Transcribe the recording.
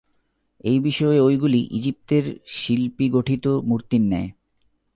এ বিষয়ে ঐগুলি ইজিপ্তের শিল্পিগঠিত মূর্তির ন্যায়।